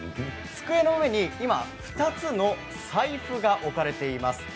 机の上に２つの財布が置かれています。